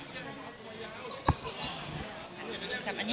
จับอันนี้จับอันนี้